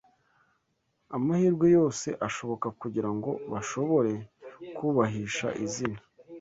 amahirwe yose ashoboka kugira ngo bashobore kubahisha izina